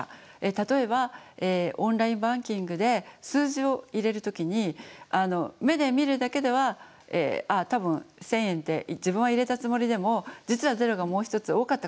例えばオンラインバンキングで数字を入れる時に目で見るだけでは多分１，０００円って自分は入れたつもりでも実は０がもう一つ多かったかもしれない。